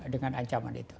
dengan ancaman itu